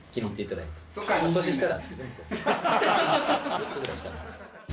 ４つぐらい下なんですけど。